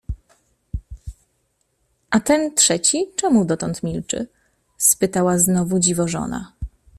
A ten trzeci czemu dotąd milczy? — spytała znowu dziwożona.